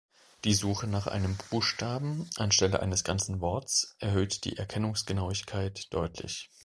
Die Suche nach einem Buchstaben anstelle eines ganzen Worts erhöht die Erkennungsgenauigkeit deutlich.